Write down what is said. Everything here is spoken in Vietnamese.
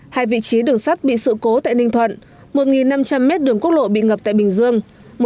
hai vị trí đường sắt bị sự cố tại ninh thuận một năm trăm linh mét đường quốc lộ bị ngập tại bình dương